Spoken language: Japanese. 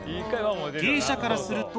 芸者からすると。